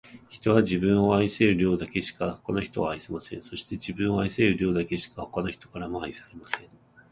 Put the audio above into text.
人は、自分を愛せる量だけしか、他の人を愛せません。そして、自分を愛せる量だけしか、他の人からも愛されません。